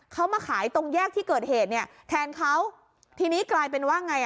เขามาขายตรงแยกที่เกิดเหตุเนี่ยแทนเขาทีนี้กลายเป็นว่าไงอ่ะ